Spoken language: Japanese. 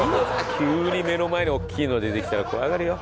急に目の前に大きいの出てきたら怖がるよ。